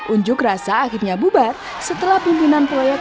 unjuk rasa akhirnya bubar setelah pimpinan proyek